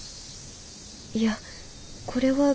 いやこれは幻聴！？